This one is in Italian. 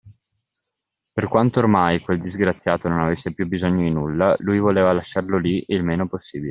Per quanto, ormai, quel disgraziato non avesse più bisogno di nulla, lui voleva lasciarlo lì il meno possibile.